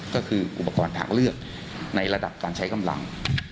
ก็คืออุปกรณ์ทางเลือกในระดับการใช้กำลัง